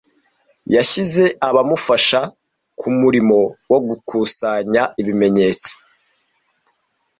Yashyize abamufasha kumurimo wo gukusanya ibimenyetso.